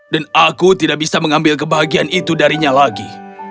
dan aku tidak bisa mengambil kebahagiaan itu darinya lagi